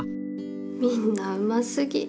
みんな、うますぎ。